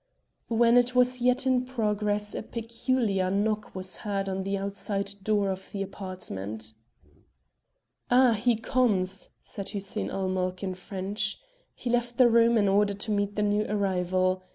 While it was yet in progress a peculiar knock was heard on the outside door of the apartment. "Ah! he comes," said Hussein ul Mulk in French. He left the room in order to meet the new arrival.